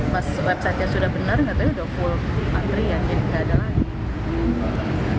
pas website nya sudah benar enggak tau ya udah full antrean jadi enggak ada lagi